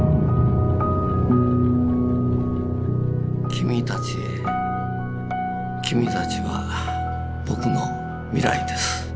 「君たちへ君たちは僕の未来です。